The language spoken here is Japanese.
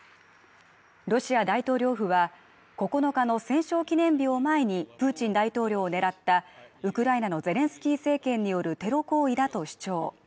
ロシア大統領府は９日の戦勝記念日を前にプーチン大統領を狙ったウクライナのゼレンスキー政権によるテロ行為だと主張。